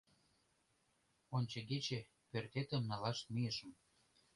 — Ончыгече пӧртетым налаш мийышым.